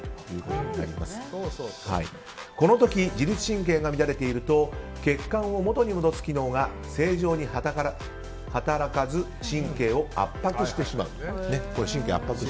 この時、自律神経が乱れていると血管を元に戻す機能が正常に働かず神経を圧迫してしまう。